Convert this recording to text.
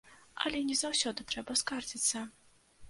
Але не заўсёды трэба скардзіцца.